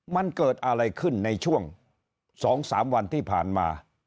มันเกิดอะไรขึ้นในช่วง๒๓วันที่ผ่านมา